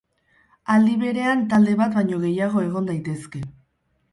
Aldi berean talde bat baino gehiago egon daitezke.